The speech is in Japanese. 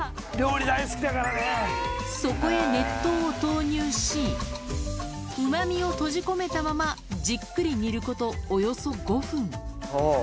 そこへ熱湯を投入し、うまみを閉じ込めたまま、じっくり煮ることおよそ５分。